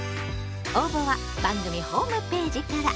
応募は番組ホームページから。